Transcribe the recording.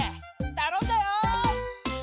たのんだよ！